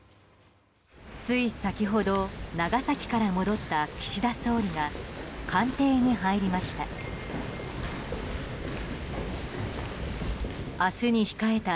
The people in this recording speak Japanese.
つい先ほど、長崎から戻った岸田総理が官邸に入りました。